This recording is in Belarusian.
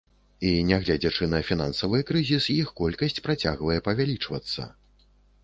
І, нягледзячы на фінансавы крызіс, іх колькасць працягвае павялічвацца.